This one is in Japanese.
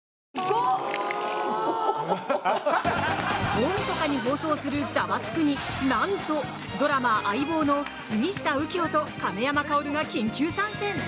大みそかに放送する「ザワつく！」に何と、ドラマ「相棒」の杉下右京と亀山薫が緊急参戦。